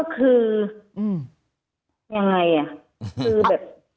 ก็คือยังไงอ่ะ